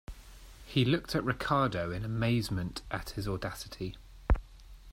He looked at Ricardo in amazement at his audacity.